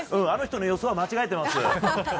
あの人の予想は間違えています。